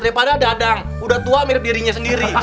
daripada dadang udah tua mirip dirinya sendiri